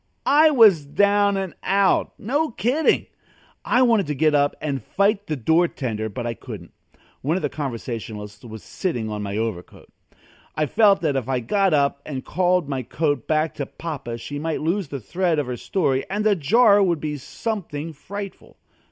I was down and out no kidding! I wanted to get up and fight the door tender, but I couldn't. One of the conversationalists was sitting on my overcoat. I felt that if I got up and called my coat back to Papa she might lose the thread of her story, and the jar would be something frightful.